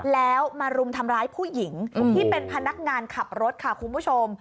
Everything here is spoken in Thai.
แล้วมารุมทำร้ายผู้หญิงที่เป็นพนักงานขับรถค่ะคุณผู้ชม